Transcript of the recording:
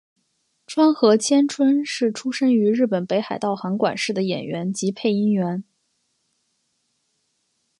川合千春是出身于日本北海道函馆市的演员及配音员。